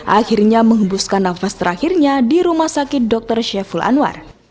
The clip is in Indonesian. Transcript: akhirnya menghembuskan nafas terakhirnya di rumah sakit dr sheful anwar